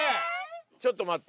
ちょっと待って。